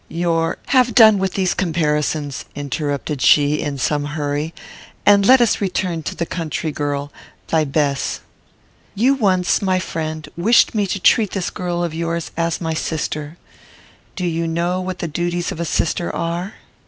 Your " "Have done with these comparisons," interrupted she, in some hurry, "and let us return to the country girl, thy Bess. "You once, my friend, wished me to treat this girl of yours as my sister. Do you know what the duties of a sister are?"